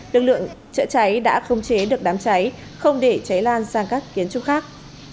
lực lượng chữa cháy đã không chế được đám cháy không để cháy lan sang các kiến trúc khác